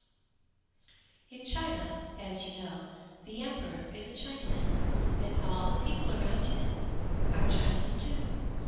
_] In China, as you know, the Emperor is a Chinaman, and all the people around him are Chinamen too.